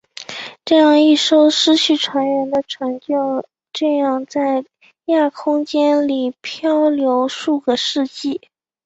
这样一艘失去船员的船就这样在亚空间里飘流数个世纪。